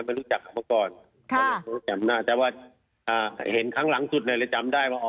ไม่รู้จักเมื่อก่อนค่ะจำหน้าแต่ว่าอ่าเห็นครั้งหลังสุดเลยจำได้ว่าอ๋อ